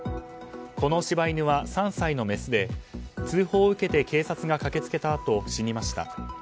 この柴犬は３歳のメスで通報を受けて警察が駆け付けたあと死にました。